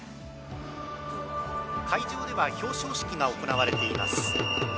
会場では表彰式が行われています。